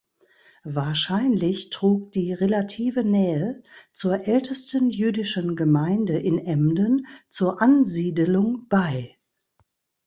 Wahrscheinlich trug die relative Nähe zur ältesten jüdischen Gemeinde in Emden zur Ansiedelung bei.